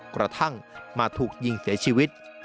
กระทั่งมาถูกยิงเสียชีวิต